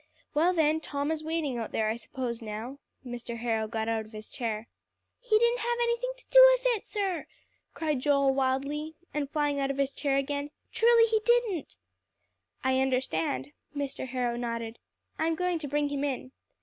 "Well, then, Tom is waiting out there, I suppose, now." Mr. Harrow got out of his chair. "He didn't have anything to do with it, sir," cried Joel wildly, and flying out of his chair again, "truly he didn't." "I understand." Mr. Harrow nodded. "I'm going to bring him in.